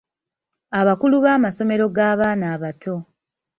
Abakulu b’amasomero g’abaana abato.